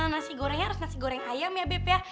nasi gorengnya harus nasi goreng ayam ya bip ya